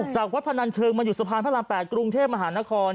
จากวัดพนันเชิงมาอยู่สะพานพระราม๘กรุงเทพมหานคร